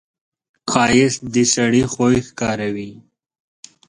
ښایست د سړي خوی ښکاروي